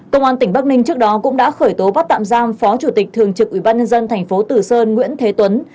công an tỉnh bắc ninh trước đó cũng đã khởi tố bắt tạm giam phó chủ tịch thường trực ủy ban nhân dân thành phố tử sơn nguyễn thế tuấn